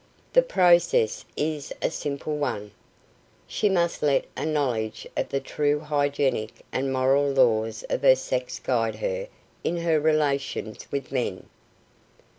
The process is a simple one. _She must let a knowledge of the true hygienic and moral laws of her sex guide her in her relations with men.